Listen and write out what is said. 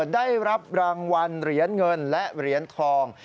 ได้รับรางวัลเหรียญเงินและเหรียญทอง